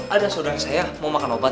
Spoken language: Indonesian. ada saudara saya mau makan obat